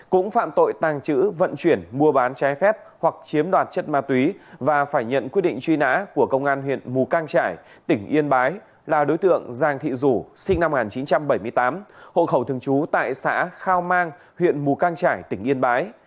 cũng phạm tội tàng trữ vận chuyển mua bán trái phép hoặc chiếm đoạt chất ma túy và phải nhận quyết định truy nã của công an huyện mù căng trải tỉnh yên bái là đối tượng giàng thị rủ sinh năm một nghìn chín trăm bảy mươi tám hộ khẩu thường trú tại xã khao mang huyện mù cang trải tỉnh yên bái